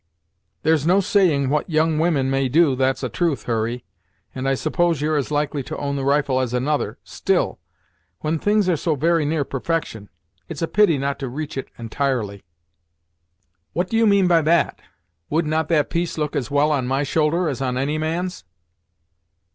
"There's no saying what young women may do, that's a truth, Hurry, and I suppose you're as likely to own the rifle as another. Still, when things are so very near perfection, it's a pity not to reach it entirely." "What do you mean by that? Would not that piece look as well on my shoulder, as on any man's?"